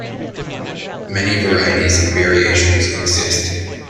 Many varieties and variations exist.